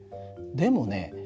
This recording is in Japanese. でもね